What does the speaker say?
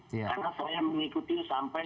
karena saya mengikuti sampai